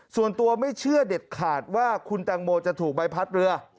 ส่วนตัวไม่เชื่อเด็ดขาดว่าคุณแตงโมจะถูกใบพัดเรือ